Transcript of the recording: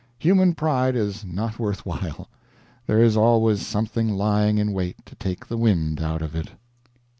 Human pride is not worth while; there is always something lying in wait to take the wind out of it.